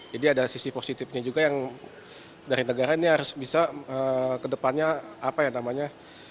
jadi ada sisi positifnya juga yang dari negara ini harus bisa ke depannya apa yang namanya